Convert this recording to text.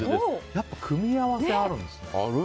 やっぱり組み合わせってあるんですね。